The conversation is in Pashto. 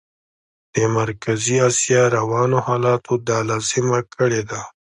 د مرکزي اسیا روانو حالاتو دا لازمه کړې ده.